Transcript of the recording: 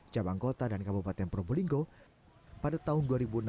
jabangkota dan kabupaten probolinggo pada tahun dua ribu enam dua ribu delapan